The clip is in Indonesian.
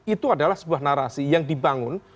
itu adalah sebuah narasi yang dibangun